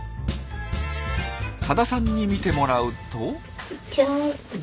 多田さんに見てもらうと。